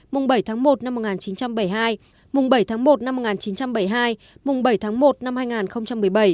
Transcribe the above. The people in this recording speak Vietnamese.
mùng bảy tháng một năm một nghìn chín trăm bảy mươi hai mùng bảy tháng một năm một nghìn chín trăm bảy mươi hai mùng bảy tháng một năm hai nghìn một mươi bảy